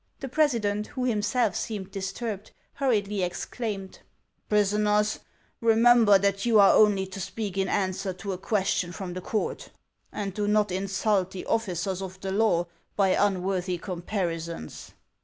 The president, who himself seemed disturbed, hurriedly exclaimed :" Prisoners, remember that you are only to speak in answer to a question from the court ; and do not insult the officers of the law by unworthy comparisons."